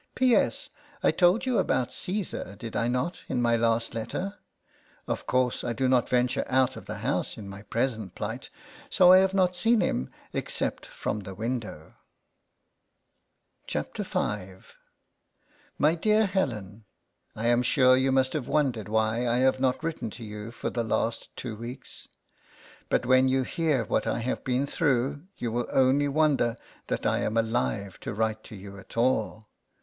P. S. I told you about Caesar, did I not, in my last letter ? Of course I do not venture out of the house in my present plight, so I have not seen him except from the window. V. MY DEAR HELEN: I am sure you must have won dered why I have not written to you for the last two weeks, but when you hear what I have been through, you will only wonder that I am alive to write to you at all.